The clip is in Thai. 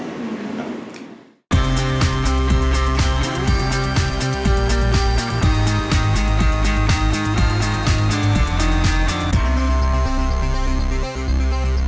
สวัสดีครับ